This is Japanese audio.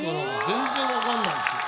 全然分かんないんすよ。